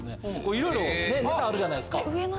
いろいろネタあるじゃないですか。